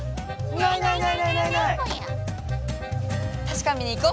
たしかめに行こう！